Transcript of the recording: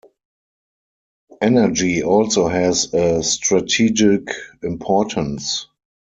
Energy also has a strategic importance.